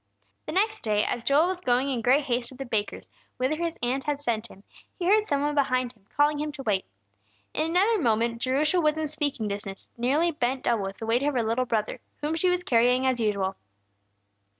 The next day, as Joel was going in great haste to the baker's, whither his aunt had sent him, he heard some one behind him calling him to wait. In another moment Jerusha was in speaking distance, nearly bent double with the weight of her little brother, whom she was carrying as usual.